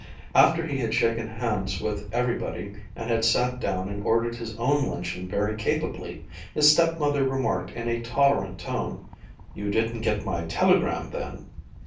After he had shaken hands with everybody, and had sat down and ordered his own luncheon very capably, his stepmother remarked in a tolerant tone, "You didn't get my telegram, then?"